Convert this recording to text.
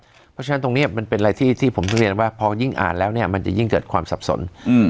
เพราะฉะนั้นตรงนี้มันเป็นอะไรที่ผมต้องเรียนว่าพอยิ่งอ่านแล้วเนี่ยมันจะยิ่งเกิดความสับสน